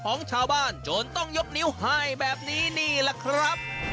ของชาวบ้านจนต้องยกนิ้วให้แบบนี้นี่แหละครับ